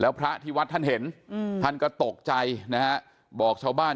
พระที่วัดท่านเห็นท่านก็ตกใจนะฮะบอกชาวบ้าน